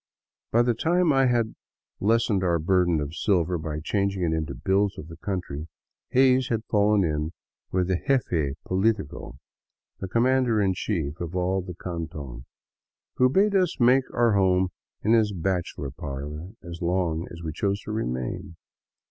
By the time I had lessened our burden of silver by changing it into bills of the country. Hays had fallen in with the jefe politico, the commander in chief of all the canton, who bade us make our home in his bachelor parlor as long as we chose to remain.